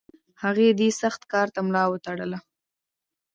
هغه دې سخت کار ته خپله ملا وتړله.